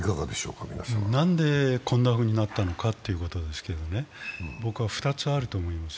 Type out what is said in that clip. なんでこんなふうになったのかということですけれどもね、僕は２あると思います。